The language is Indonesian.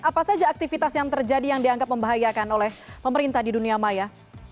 apa saja aktivitas yang terjadi yang dianggap membahayakan oleh pemerintah di dunia maya